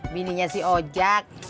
bininya si ojak